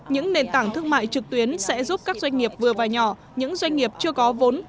những nền tảng thương mại trực tuyến sẽ giúp các doanh nghiệp vừa và nhỏ những doanh nghiệp chưa có vốn